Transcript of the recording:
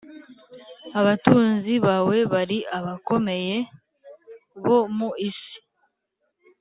Abatunzi bawe bari abakomeye bo mu isi,